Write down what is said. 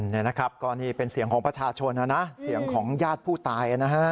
นี่นะครับก็นี่เป็นเสียงของประชาชนนะนะเสียงของญาติผู้ตายนะฮะ